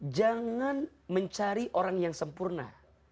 jangan mencari orang yang sempurna